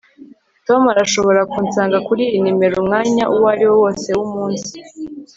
tom arashobora kunsanga kuriyi numero umwanya uwariwo wose wumunsi